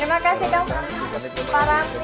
terima kasih kang farhan